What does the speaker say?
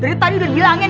dari tadi udah dibilangin